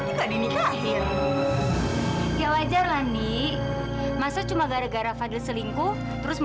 bukannya bawa semua menembak gue